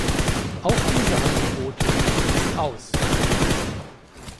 Auch diese Angebote schlug sie aus.